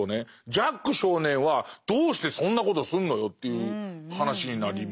ジャック少年はどうしてそんなことすんのよという話になりますよね。